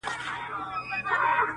احتیاط ښه دی په حساب د هوښیارانو -